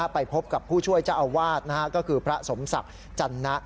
ไปพบกับผู้ช่วยเจ้าอาวาสก็คือพระสมศักดิ์จันนะ